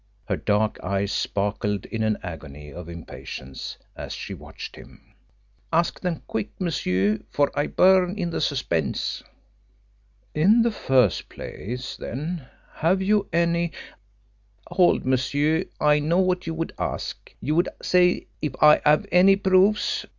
Her dark eyes sparkled in an agony of impatience as she watched him. "Ask them quick, monsieur, for I burn in the suspense." "In the first place, then, have you any " "Hold, monsieur! I know what you would ask! You would say if I have any proofs?